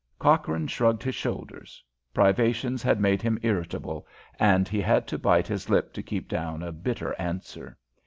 Cochrane shrugged his shoulders. Privations had made him irritable, and he had to bite his lip to keep down a bitter answer.